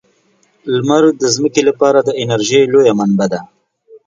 لمر د ځمکې لپاره د انرژۍ لویه منبع ده.